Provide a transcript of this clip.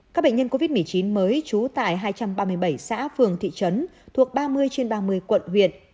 các bệnh nhân covid một mươi chín mới trú tại hai trăm ba mươi bảy xã phường thị trấn thuộc ba mươi trên ba mươi quận huyện